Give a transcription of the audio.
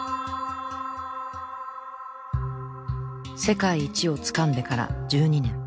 世界一をつかんでから１２年。